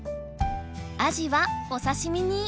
アジはおさしみに。